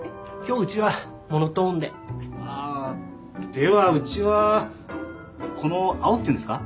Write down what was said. ではうちはこの青っていうんですか？